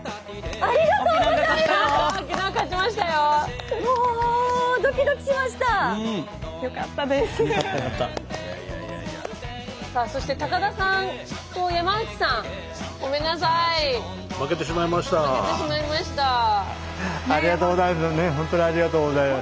ありがとうございます。